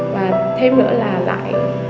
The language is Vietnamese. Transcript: và thêm nữa là lại